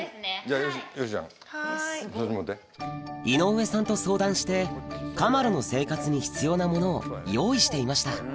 井上さんと相談してカマロの生活に必要なものを用意していました